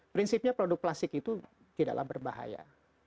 prinsipnya produk plastik itu tidaklah berbahaya